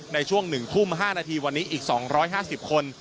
ในช่วง๑ทุ่ม๕นาทีวันนี้อีก๒๕๐คน